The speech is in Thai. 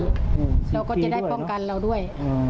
เราก็จะได้ป้องกันเราด้วย